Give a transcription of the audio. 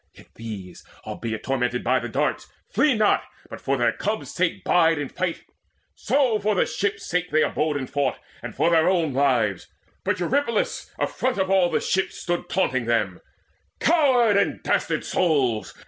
Yet these, albeit tormented by the darts, Flee not, but for their cubs' sake bide and fight; So for the ships' sake they abode and fought, And for their own lives. But Eurypylus Afront of all the ships stood, taunting them: "Coward and dastard souls!